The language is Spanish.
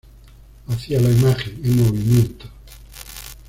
Hacia la imagen en movimiento"".